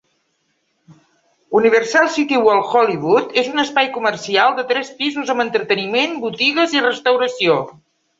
Universal CityWalk Hollywood és un espai comercial de tres pisos amb entreteniment, botigues i restauració.